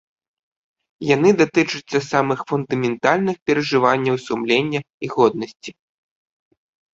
Яны датычацца самых фундаментальных перажыванняў сумлення і годнасці.